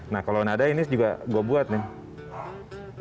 nah kalau nada ini juga gue buat nih